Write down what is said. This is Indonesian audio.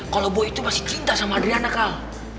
kalau boy itu masih cinta sama adriana kal